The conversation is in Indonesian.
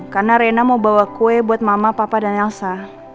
karena reina mau bawa kue buat mama papa dan elsa